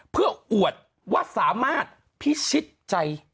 เพื่ออวดว่าสามารถพิชิตใจ